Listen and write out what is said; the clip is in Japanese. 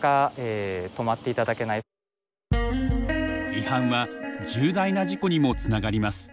違反は重大な事故にもつながります。